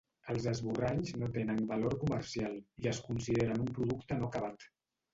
Els esborranys no tenen valor comercial i es consideren un producte no acabat.